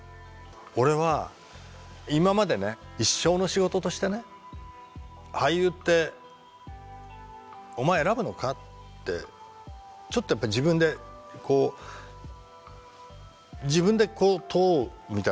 俺は今までね一生の仕事としてね俳優ってお前選ぶのかってちょっとやっぱ自分でこう自分でこう問うみたいなとこがあったんだけど。